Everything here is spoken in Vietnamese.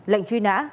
lệnh truy nã